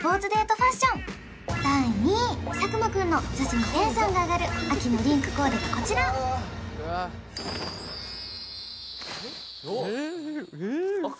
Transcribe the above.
ファッション第２位佐久間くんの女子のテンションが上がる秋のリンクコーデがこちらおっ・